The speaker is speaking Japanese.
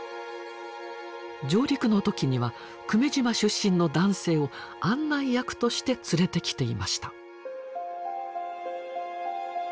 上陸の時には久米島出身の男性を案内役として連れてきていました。